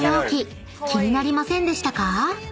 ［気になりませんでしたか？］